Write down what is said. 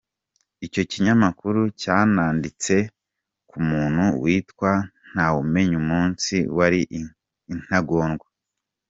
Icyo kinyamakuru cyananditse ku muntu witwa Ntawumenyumunsi wari intagondwa.